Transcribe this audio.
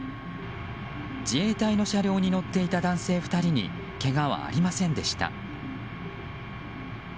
自衛隊の車両に乗っていた男性２人にけがはありませんでした。